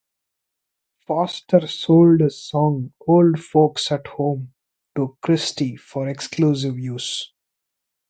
Foster sold his song, "Old Folks at Home", to Christy for his exclusive use.